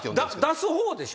出す方でしょ？